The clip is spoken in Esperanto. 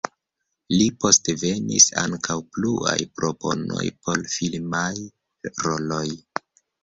Pli poste venis ankaŭ pluaj proponoj por filmaj roloj.